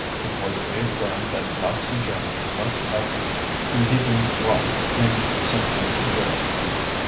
It was reaffirmed that Nazi Germany must have "Lebensraum" in central Europe.